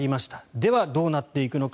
では、どうなっていくのか。